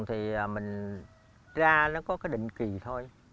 thì mình ra nó có cái định kỳ thôi